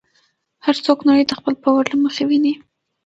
هر څوک نړۍ د خپل باور له مخې ویني.